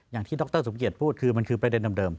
อย่างที่ดรสมเกียจพูดคือมันคือประเด็นเดิม